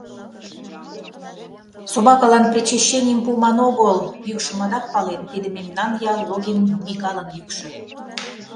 — Собакылан причащенийым пуыман огыл! — йӱкшым адак палем: тиде мемнан ял Логин Микалын йӱкшӧ.